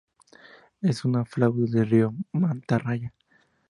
Es un afluente del río Matarraña.